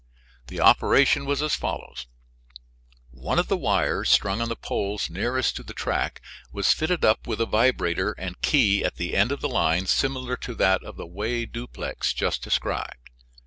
The operation was as follows: One of the wires strung on the poles nearest to the track was fitted up with a vibrator and key at the end of the line similar to that of the Way duplex just described.